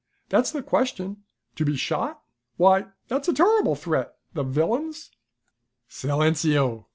That's the question. To be shot! Why, that's a terrible threat! The villains " "Silenceo!"